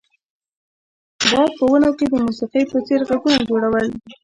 باد په ونو کې د موسیقۍ په څیر غږونه جوړول